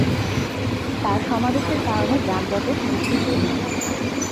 তার সমাবেশের কারণে যানজটের সৃষ্টি হয়েছে।